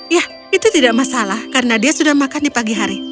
ya itu tidak masalah karena dia sudah makan di pagi hari